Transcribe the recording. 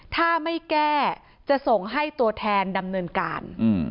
ถ้าไม่แก้จะส่งให้ตัวแทนดำเนินการ